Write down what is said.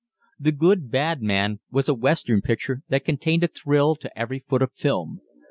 "The Good Bad Man" was a Western picture that contained a thrill to every foot of film.